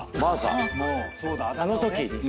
あのときに。